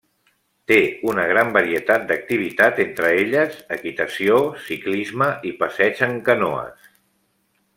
Té una gran varietat d'activitats entre elles equitació, ciclisme i passeig en canoes.